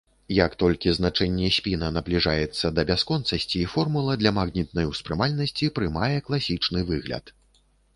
Як толькі значэнне спіна набліжаецца да бясконцасці, формула для магнітнай успрымальнасці прымае класічны выгляд.